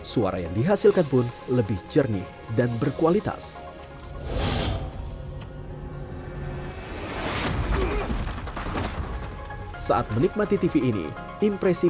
suara yang dihasilkan pun lebih jernih dan berkualitas saat menikmati tv ini impresi